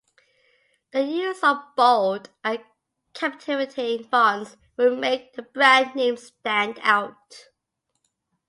The use of bold and captivating fonts will make the brand name stand out.